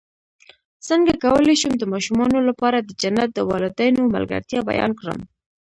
څنګه کولی شم د ماشومانو لپاره د جنت د والدینو ملګرتیا بیان کړم